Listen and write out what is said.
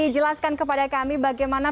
selamat malam mbak dipani